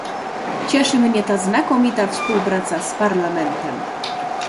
Cieszy mnie ta znakomita współpraca z Parlamentem